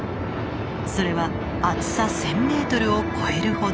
それは厚さ１，０００ｍを超えるほど。